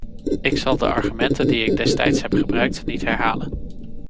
Ik zal de argumenten die ik destijds heb gebruikt niet herhalen.